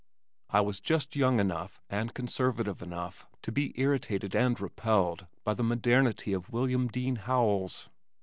I was just young enough and conservative enough to be irritated and repelled by the modernity of William Dean Howells.